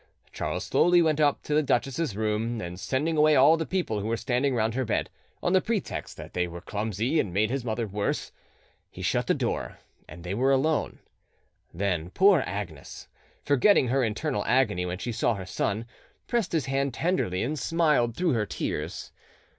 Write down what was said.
Charles slowly went up to the duchess's room, and sending away all the people who were standing round her bed, on the pretext that they were clumsy and made his mother worse, he shut the door, and they were alone. Then poor Agnes, forgetting her internal agony when she saw her son, pressed his hand tenderly and smiled through her tears.